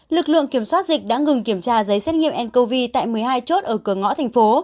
lực lượng kiểm soát dịch đã ngừng kiểm tra giấy xét nghiệm ncov tại một mươi hai chốt ở cửa ngõ thành phố